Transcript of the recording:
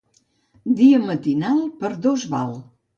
Dia matinal, per dos val.